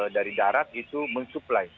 dari darat itu mensuplai